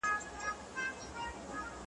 نه مو زخم ته مرهم دي پیدا کړي ,